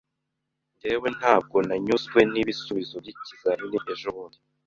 Njyewe, ntabwo nanyuzwe n'ibisubizo by'ikizamini ejobundi.